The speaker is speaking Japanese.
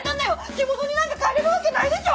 地元になんか帰れるわけないでしょ！